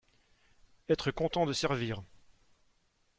Être content de servir